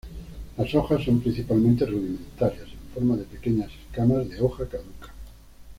Las hojas son principalmente rudimentarias, en forma de pequeñas escamas de hoja caduca.